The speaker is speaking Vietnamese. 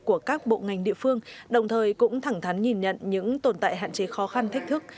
của các bộ ngành địa phương đồng thời cũng thẳng thắn nhìn nhận những tồn tại hạn chế khó khăn thách thức